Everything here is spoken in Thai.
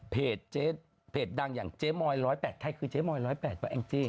เพจดังอย่างเจ๊มอย๑๐๘ใครคือเจ๊มอย๑๐๘ป่ะแองจี้